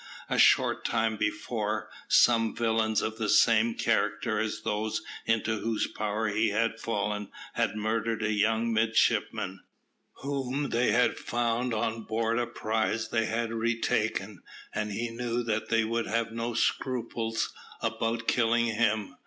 A short time before, some villains of the same character as those into whose power he had fallen had murdered a young midshipman, whom they had found on board a prize they had retaken, and he knew that they would have no scruple about killing him.